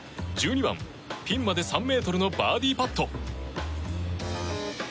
１２番、ピンまで３ｍのバーディーパット。